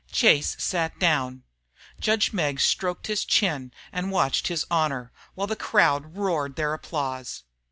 Chase sat down. Judge Meggs stroked his chin and watched His Honor, while the crowd roared their applause.